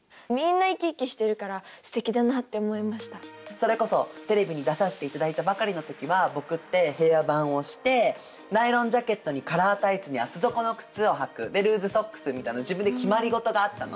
それこそテレビに出させていただいたばかりの時は僕ってヘアバンをしてナイロンジャケットにカラータイツに厚底の靴を履くでルーズソックスみたいな自分で決まりごとがあったの。